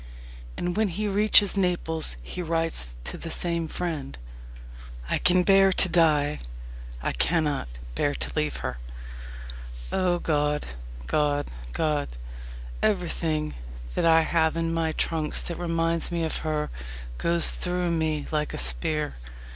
And when he reaches Naples he writes to the same friend: I can bear to die I cannot bear to leave her. O God! God! God! Everything that I have in my trunks that reminds me of her goes through me like a spear.